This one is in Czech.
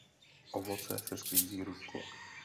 Ovoce se sklízí ručně.